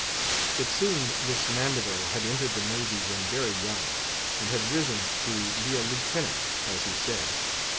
It seemed this Mandeville had entered the Navy when very young, and had risen to be a lieutenant, as he said.